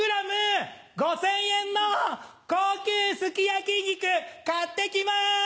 １００ｇ５０００円の高級すき焼き肉買って来ます！